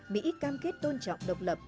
mỹ cam kết tôn trọng độc lập